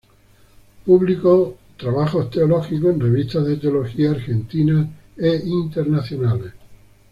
Publicó trabajos teológicos en revistas de teología argentinas e internacionales.